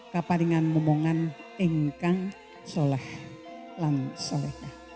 kapaningan momongan engkang sholah lan sholatah